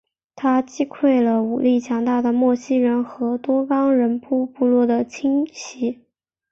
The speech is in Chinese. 他击溃了武力强大的莫西人和多冈人部落的侵袭。